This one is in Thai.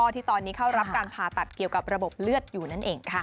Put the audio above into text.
ที่ตอนนี้เข้ารับการผ่าตัดเกี่ยวกับระบบเลือดอยู่นั่นเองค่ะ